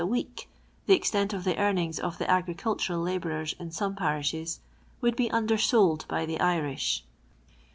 a week, the extent of the earn ings of the agricultural labourers in some parishes, would be undersold by the Irish.